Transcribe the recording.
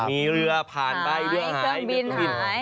มีเรือผ่านใบเรือหายมีเครื่องบิน